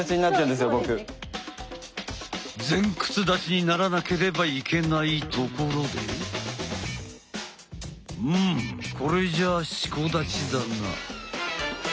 前屈立ちにならなければいけないところでうんこれじゃあ四股立ちだな。